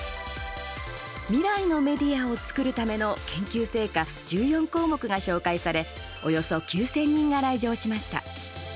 未来のメディアを作るための研究成果、１４項目が紹介されおよそ９０００人が来場しました。